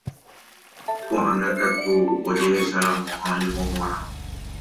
Ko'ág̃a katu ojehecharamo ha oñemomorã.